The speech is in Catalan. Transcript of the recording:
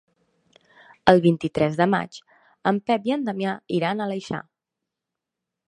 El vint-i-tres de maig en Pep i en Damià iran a l'Aleixar.